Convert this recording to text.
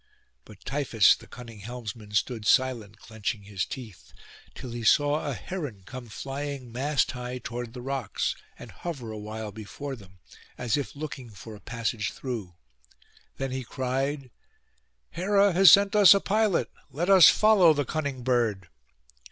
But Tiphys the cunning helmsman stood silent, clenching his teeth, till he saw a heron come flying mast high toward the rocks, and hover awhile before them, as if looking for a passage through. Then he cried, 'Hera has sent us a pilot; let us follow the cunning bird.